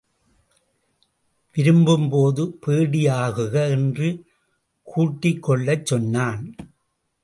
விரும்பும்போது பேடி ஆகுக என்று கூட்டிக் கொள்ளச் சொன்னான்.